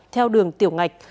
theo đường tiểu ngạch